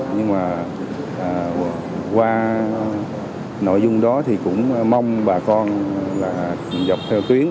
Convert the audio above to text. nhưng mà qua nội dung đó thì cũng mong bà con là dọc theo tuyến